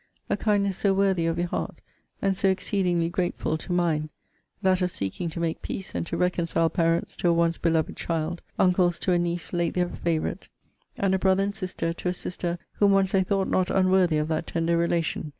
A kindness so worthy of your heart, and so exceedingly grateful to mine: that of seeking to make peace, and to reconcile parents to a once beloved child; uncles to a niece late their favourite; and a brother and sister to a sister whom once they thought not unworthy of that tender relation.